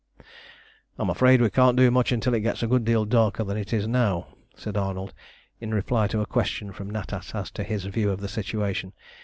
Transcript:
"I'm afraid we can't do much until it gets a good deal darker than it is now," said Arnold, in reply to a question from Natas as to his view of the situation.